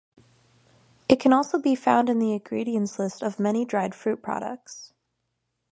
It can also be found in the ingredients list of many dried fruit products.